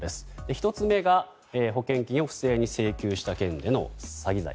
１つ目が保険金を不正に請求した件での詐欺罪。